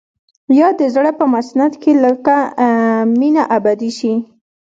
يا د زړه پر مسند کښيني لکه مينه ابدي شي.